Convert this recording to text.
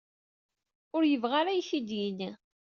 Ur yebɣi ara ad iy-t-id-yinni.